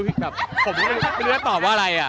แบบผมไม่รู้จะตอบว่าอะไร